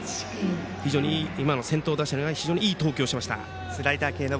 非常に今の先頭打者にはいい投球をしました。